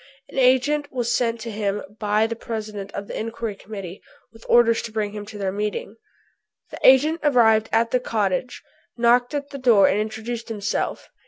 An agent was sent to him by the President of the Inquiry Committee with orders to bring him to their meeting. The agent arrived at the cottage, knocked at the door and introduced himself.